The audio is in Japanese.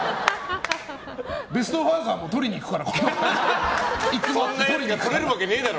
ベスト・ファーザー賞もとりにいくから。